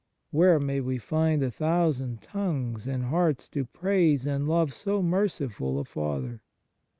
Where may we find a thousand tongues and hearts to praise and love so merciful a Father